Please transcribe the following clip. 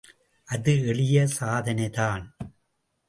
அது எளிய சாதனைதான்.